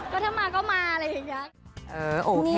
ก็ถ้ามาก็มาอะไรอย่างนี้